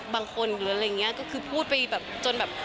หรืออะไรอย่างนี้ก็คือพูดไปแบบจนแบบ